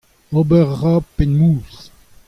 Ober a ra penn mouzh.